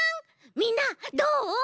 みんなどう？